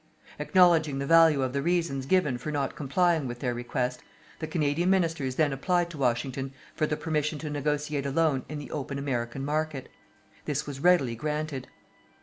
Acknowledging the value of the reasons given for not complying with their request, the Canadian Ministers then applied to Washington for the permission to negotiate a loan in the open American market. This was readily granted.